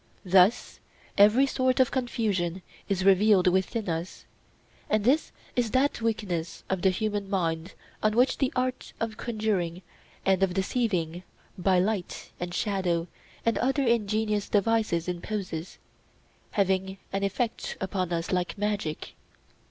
Thus every sort of confusion is revealed within us; and this is that weakness of the human mind on which the art of conjuring and of deceiving by light and shadow and other ingenious devices imposes, having an effect upon us like magic.